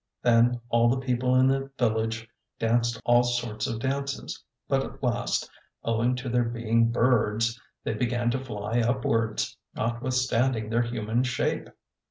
Then all the people in the village danced all sorts of dances. But at last, owing to their being birds, they began to fly upwards, notwithstanding their human shape.